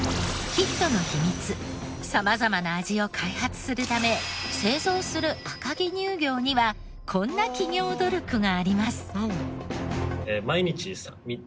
様々な味を開発するため製造する赤城乳業にはこんな企業努力があります。